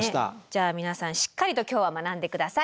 じゃあ皆さんしっかりと今日は学んで下さい。